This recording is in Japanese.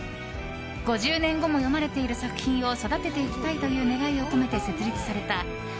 ５０年後も読まれている作品を育てていきたいという願いを込めて設立されたＴＳＵＴＡＹＡ